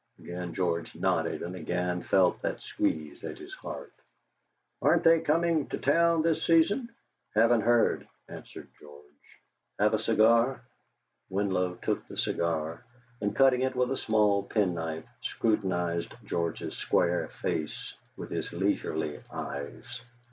Again George nodded, and again felt that squeeze at his heart. "Aren't they coming to town this season?" "Haven't heard," answered George. "Have a cigar?" Winlow took the cigar, and cutting it with a small penknife, scrutinised George's square face with his leisurely eyes.